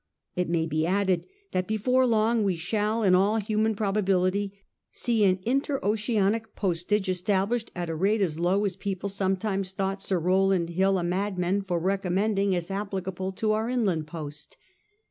. It may be added that before long we shall in all human probability see an inter pceanic postage established at a rate as low as people sometimes thought Sir Rowland Hill a madman for recommending as applicable to our inland post.